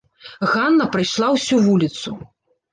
Ганна прайшла ўсю вуліцу.